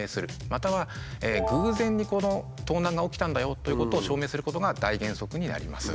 または偶然にこの盗難が起きたんだよということを証明することが大原則になります。